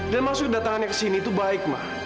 dan masuk datangannya kesini itu baik ma